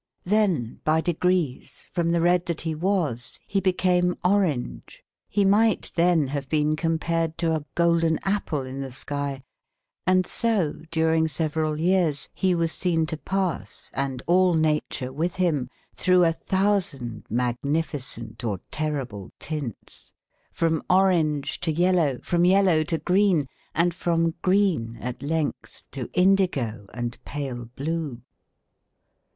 Then, by degrees, from the red that he was he became orange. He might then have been compared to a golden apple in the sky, and so during several years he was seen to pass, and all nature with him, through a thousand magnificent or terrible tints from orange to yellow, from yellow to green, and from green at length to indigo and pale blue.